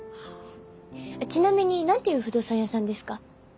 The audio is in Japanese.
ちなみに何ていう不動産屋さんですか？